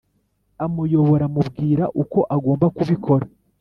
amuyobora, amubwira uko agomba kubikora